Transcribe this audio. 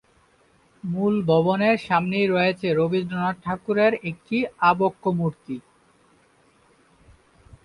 মূল ভবনের সামনেই রয়েছে রবীন্দ্রনাথ ঠাকুরের একটি আবক্ষ মূর্তি।